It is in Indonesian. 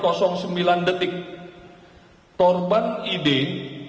tersangka ims memasuki kamar saksi aye dalam keadaan magazin ke dalam tas